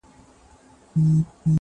او حتی نه د عبدالقادر خان خټک -